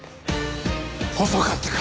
遅かったか。